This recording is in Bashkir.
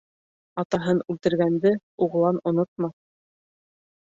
Атаһын үлтергәнде уғлан онотмаҫ